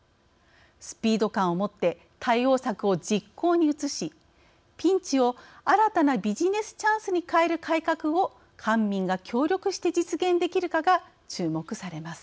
スピード感をもって対応策を実行に移し、ピンチを新たなビジネスチャンスに変える改革を官民が協力して実現できるかが注目されます。